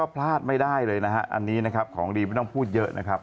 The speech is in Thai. พลาดไม่ได้เลยนะฮะอันนี้นะครับของดีไม่ต้องพูดเยอะนะครับ